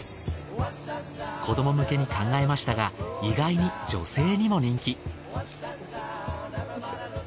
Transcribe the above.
子ども向けに考えましたが意外に女性にも人気。